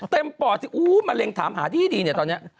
ปอดสิอู้มะเร็งถามหาที่ให้ดีเนี่ยตอนนี้